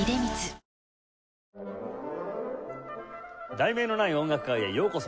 『題名のない音楽会』へようこそ。